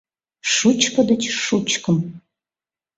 Шучко деч шучкым.